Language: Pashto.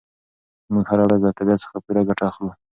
موږ هره ورځ له طبیعت څخه پوره ګټه اخلو.